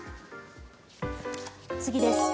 次です。